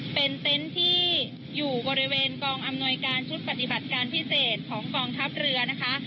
เป็นเต็นต์ที่อยู่บริเวณกองอำนวยการชุดปฏิบัติการพิเศษของกองทัพเรือนะคะ